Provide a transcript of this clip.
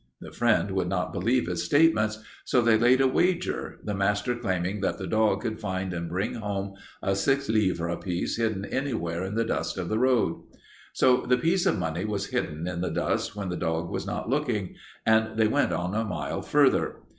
The friend would not believe his statements, so they laid a wager, the master claiming that the dog could find and bring home a six livre piece hidden anywhere in the dust of the road. "So the piece of money was hidden in the dust when the dog was not looking, and they went on a mile farther.